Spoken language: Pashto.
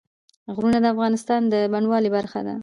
غرونه د افغانستان د بڼوالۍ برخه ده.